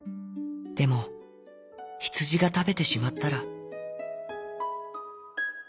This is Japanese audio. でもヒツジがたべてしまったら」。